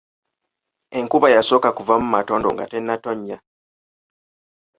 Enkuba y’asooka kuvaamu matondo nga tennatonnya.